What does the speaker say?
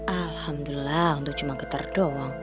alhamdulillah untuk cuma getar doang